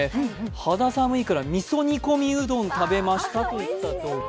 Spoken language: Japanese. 肌寒いからみそ煮込みうどん食べましたといった投稿。